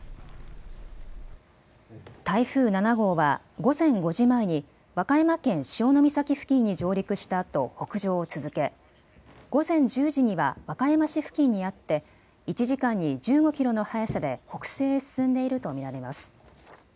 台風７号は午前５時前に和歌山県潮岬付近に上陸したあと北上を続け午前１０時には和歌山市付近にあって１時間に１５キロの速さで北西へ進んでいると見られます。